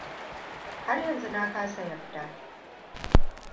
Har yanzu na kasa yarda.